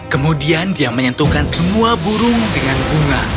kemudian dia menyentuhkan semua burung dengan bunga